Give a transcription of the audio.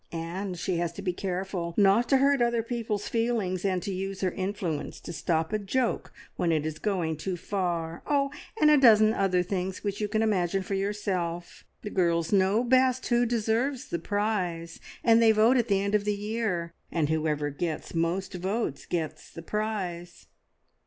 And she has to be careful not to hurt other people's feelings, and to use her influence to stop a joke when it is going too far. Oh, and a dozen other things which you can imagine for yourself! The girls know best who deserves the prize, and they vote at the end of the year, and whoever gets most votes gets the prize."